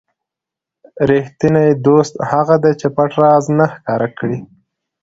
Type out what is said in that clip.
ریښتینی دوست هغه دی چې پټ راز نه ښکاره کړي.